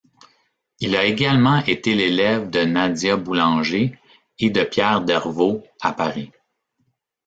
Il a également été l'élève de Nadia Boulanger et de Pierre Dervaux à Paris.